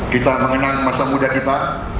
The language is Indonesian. kita mengenang masa muda kita